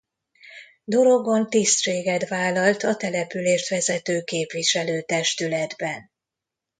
Dorogon tisztséget vállalt a települést vezető képviselő-testületben.